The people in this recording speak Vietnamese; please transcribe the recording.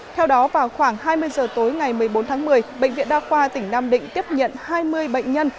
theo đó vào khoảng hai mươi giờ tối ngày một mươi bốn tháng một mươi bệnh viện đa khoa tỉnh nam định tiếp nhận hai mươi bệnh nhân